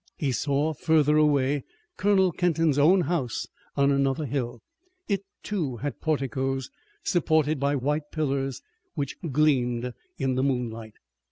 He saw further away Colonel Kenton's own house on another hill. It, too, had porticos, supported by white pillars which gleamed in the moonlight.